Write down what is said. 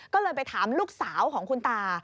ก็เลยไปถามลูกสาวของคุณตา